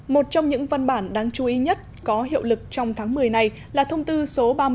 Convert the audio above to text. một trong những văn bản đáng chú ý nhất có hiệu lực trong tháng một mươi này là thông tư số ba mươi